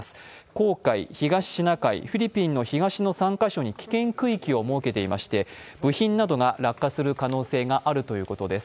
黄海、東シナ海、フィリピンの東の３カ所に危険区域を設けていまして部品などが落下する可能性があるということです。